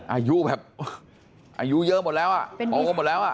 อายุแบบอายุเยอะหมดแล้ว